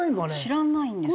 知らないんですかね？